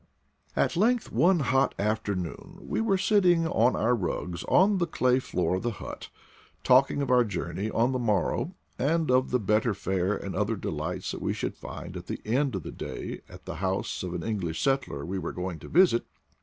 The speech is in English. At length, one hot afternoon, we were sitting on our rugs on the clay floor of the hut, talking of our journey on the morrow, and of the better fare and other delights we should find at the end of the day at the house of an English settler we were going to visit.